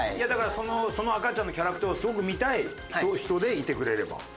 だからその赤ちゃんのキャラクターをすごく見たい人でいてくれれば。